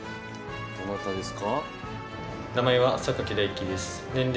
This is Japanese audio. どなたですか？